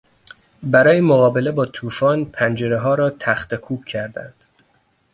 برای مقابله با طوفان پنجرهها را تختهکوب کردند.